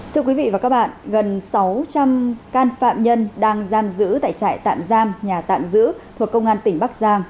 thưa quý vị và các bạn gần sáu trăm linh can phạm nhân đang giam giữ tại trại tạm giam nhà tạm giữ thuộc công an tỉnh bắc giang